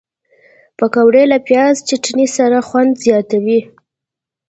پکورې له پیاز چټني سره خوند زیاتوي